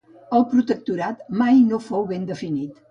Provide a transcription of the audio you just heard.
El protectorat mai no fou ben definit.